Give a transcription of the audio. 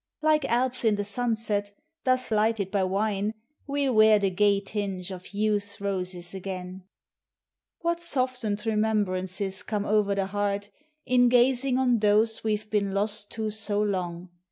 Like Alps in the sunset, thus lighted by wine, We '11 wear the gay tinge of Youth's roses again. What softened remembrances come o'er the heart, In gazing on those we 've been lost to so long!